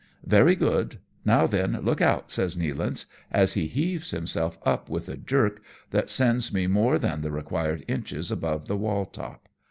" Very good. Now then, look out," says Nealance, as he heaves himself up with a jerk that sends me more than the required inches above the wall top.